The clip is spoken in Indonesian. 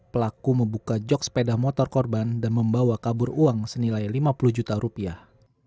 pelaku membuka jog sepeda motor korban dan membawa kabur uang senilai lima puluh juta rupiah